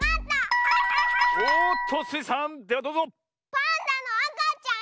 パンダのあかちゃん？